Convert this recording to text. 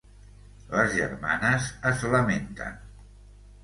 Les germanes es lamenten.